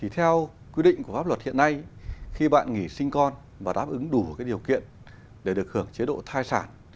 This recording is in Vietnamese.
theo quy định của pháp luật hiện nay khi bạn nghỉ sinh con và đáp ứng đủ điều kiện để được hưởng chế độ thai sản